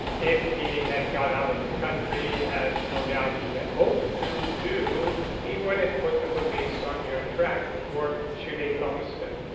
If he had got out of the country, as no doubt he had hoped to do, he would have put the police on your track for shooting Lumsden.